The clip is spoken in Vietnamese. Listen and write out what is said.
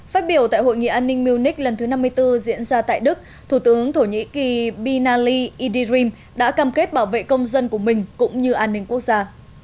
phát biểu tại hội nghị an ninh munich lần thứ năm mươi bốn diễn ra tại đức thủ tướng thổ nhĩ kỳ binali idirim đã cam kết bảo vệ công dân của mình cũng như an ninh quốc gia